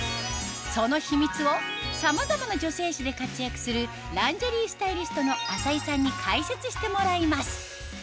その秘密をさまざまな女性誌で活躍するランジェリースタイリストの浅井さんに解説してもらいます